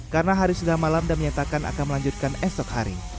karena hari sudah malam dan menyatakan akan melanjutkan esok hari